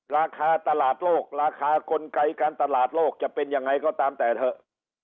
ราคาตลาดโลกราคากลไกการตลาดโลกจะเป็นยังไงก็ตามแต่เถอะ